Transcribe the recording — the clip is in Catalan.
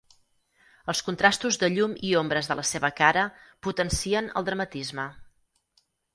Els contrastos de llum i ombres de la seva cara potencien el dramatisme.